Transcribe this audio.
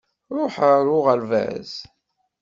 Ṛuḥ ar uɣerbaz!